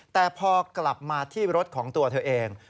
แต่พอกลับมาที่รถของตัวเธอเอง